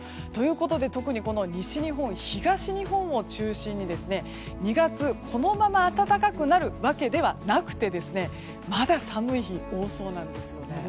ということで特に西日本、東日本を中心に２月、このまま暖かくなるわけではなくてまだ寒い日が多そうなんです。